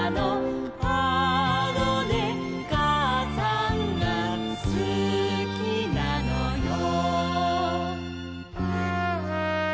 「あのねかあさんがすきなのよ」